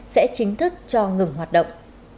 sẽ chính thức cho ngừng hoạt động